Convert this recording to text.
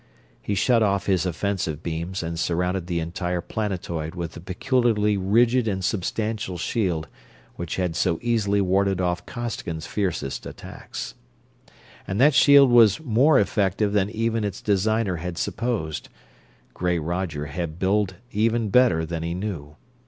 He shut off his offensive beams and surrounded the entire planetoid with the peculiarly rigid and substantial shield which had so easily warded off Costigan's fiercest attacks. And that shield was more effective than even its designer had supposed gray Roger had builded even better than he knew.